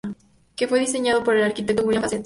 Que fue diseñado por el arquitecto William Fawcett.